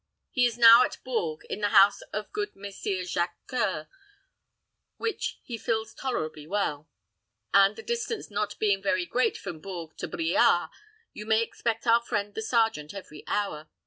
He is now at Bourges, in the house of good Messire Jacques C[oe]ur, which he fills tolerably well; and the distance not being very great from Bourges to Briare, you may expect our friend the sergeant every hour.